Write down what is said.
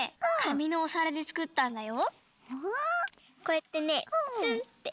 こうやってねつんって。